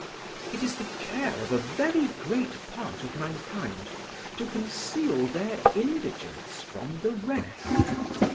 It is the care of a very great part of mankind to conceal their indigence from the rest.